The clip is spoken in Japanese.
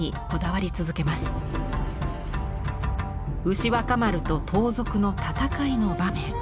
牛若丸と盗賊の戦いの場面。